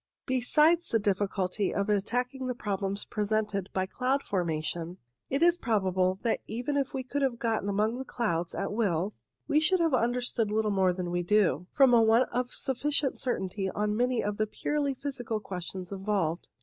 INTRODUCTORY 3 Besides the difficulty of attacking the problems presented by cloud formation, it is probable that even if we could have got among the clouds at will, we should have understood little more than we do, from a want of sufficient certainty on many of the purely physical questions involved.